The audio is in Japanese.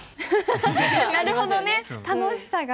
なるほどね楽しさが。